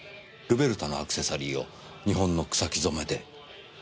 ルベルタのアクセサリーを日本の草木染めで？